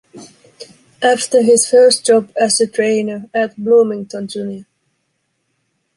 After his first job as a trainer at Bloomington Jr.